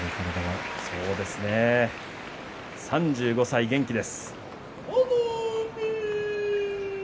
３５歳、元気です。